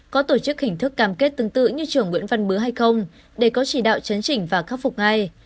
có tổ chức hình thức cam kết tương tự như trường nguyễn văn bứa hay không để có chỉ đạo chấn chỉnh và khắc phục ngay